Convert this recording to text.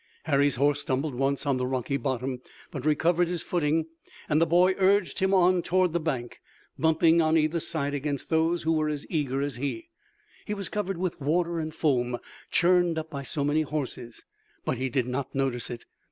Harry's horse stumbled once on the rocky bottom, but recovered his footing, and the boy urged him on toward the bank, bumping on either side against those who were as eager as he. He was covered with water and foam, churned up by so many horses, but he did not notice it.